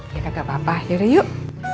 ya kagak papa yuk